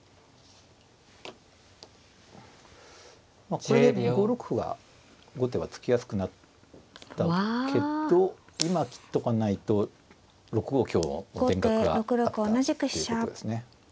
これで５六歩が後手は突きやすくなったけど今切っとかないと６五香の田楽があったっていうことですね。